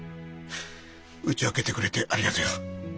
打ち明けてくれてありがとよ。